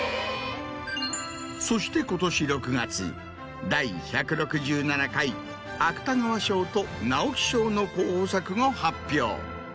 そして今年６月第１６７回芥川賞と直木賞の候補作が発表。